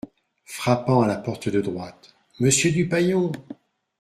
Frappant à la porte de droite., Monsieur Dupaillon !